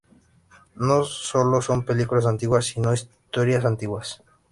No son solo películas antiguas, sino historias antiguas.